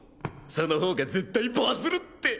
その方が絶対バズるって！